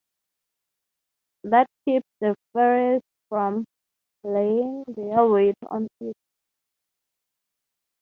That keeps the fairies from laying their weight on it.